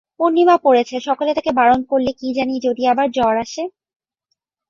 পূর্ণিমা পড়েছে, সকলে তাঁকে বারণ করলে, কী জানি যদি আবার জ্বর আসে।